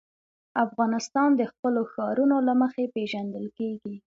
افغانستان د خپلو ښارونو له مخې پېژندل کېږي.